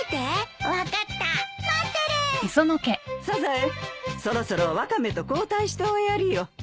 サザエそろそろワカメと交代しておやりよ。